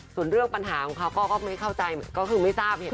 ส่วนเรื่องปัญหาของเขาก็ไม่เข้าใจก็คือไม่ทราบเห็น